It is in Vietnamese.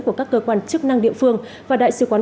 của các cơ quan chức năng địa phương và đại sứ quán